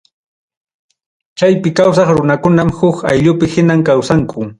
Chaypi kawsaq runakunam, huk ayllupi hinam kawsanku.